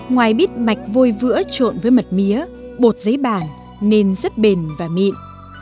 ngoài bít mạch vôi vữa trộn với mật mía bột giấy bản nên rất bền và mịn